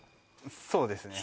そうですね